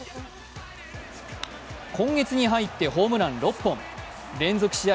今月に入ってホームラン６本、連続試合